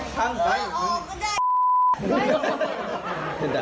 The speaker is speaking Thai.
ไปไงแหละ